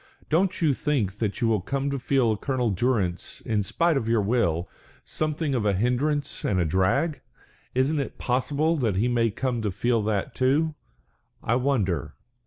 Don't you think that you will come to feel Colonel Durrance, in spite of your will, something of a hindrance and a drag? Isn't it possible that he may come to feel that too? I wonder.